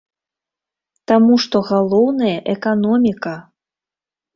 Таму што галоўнае эканоміка!